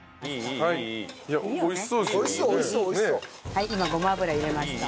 はい今ごま油入れました。